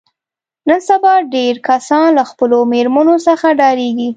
نن سبا ډېری کسان له خپلو مېرمنو څخه ډارېږي.